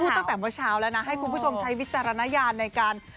ตั้งแต่เมื่อเช้าแล้วนะให้คุณผู้ชมใช้วิจารณญาณในการ